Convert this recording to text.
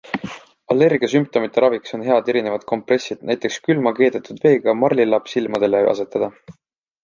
Allergia sümptomite raviks on head erinevad kompressid, näiteks külma keedetud veega marlilapp silmadele asetada.